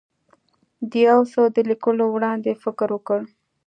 د یو څه د لیکلو وړاندې فکر وکړه.